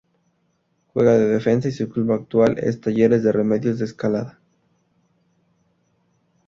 Juega de defensa y su club actual es Talleres de Remedios de Escalada.